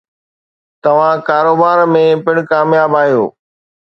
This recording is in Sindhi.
توهان ڪاروبار ۾ پڻ ڪامياب آهيو.